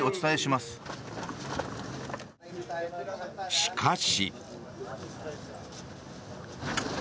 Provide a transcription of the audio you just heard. しかし。